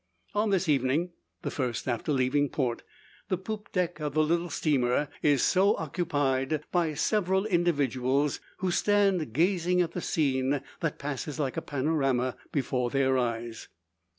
On this evening the first after leaving port the poop deck of the little steamer is so occupied by several individuals; who stand gazing at the scene that passes like a panorama before their eyes.